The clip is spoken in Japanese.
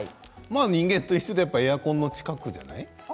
人間と一緒でエアコンの近くじゃない？